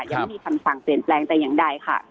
ยังไม่มีคำสั่งเปลี่ยนแปลงแต่อย่างใดค่ะ